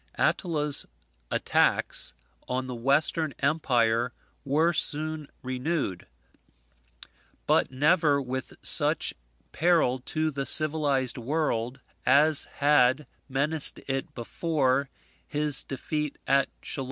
Attila's attacks on the Western, empire were soon renewed; but never with such peril to the civilized world as had menaced it before his defeat at Chalons.